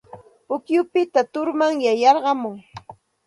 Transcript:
Pukyupita turmanyay yarqumun.